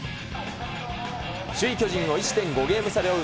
首位巨人を１．５ゲーム差で追う